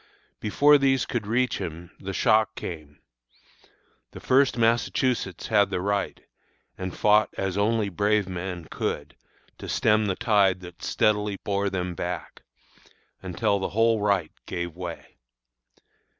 "Before these could reach him the shock came. The First Massachusetts had the right, and fought as only brave men could to stem the tide that steadily bore them back, until the whole right gave way.